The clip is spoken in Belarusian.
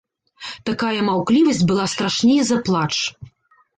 Такая маўклівасць была страшней за плач.